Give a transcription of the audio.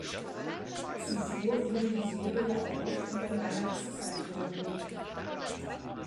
Zuvor wurde die Serie auch oft in der Weihnachtszeit wiederholt.